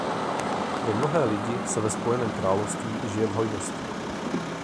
Pro mnohé lidi se ve Spojeném království žije v hojnosti.